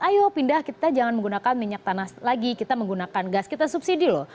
ayo pindah kita jangan menggunakan minyak tanah lagi kita menggunakan gas kita subsidi loh